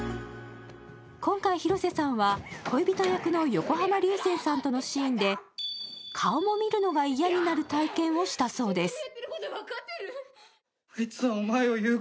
今回、広瀬さんは恋人役の横浜流星さんとのシーンで顔も見るのが嫌になる体験をしたそうです。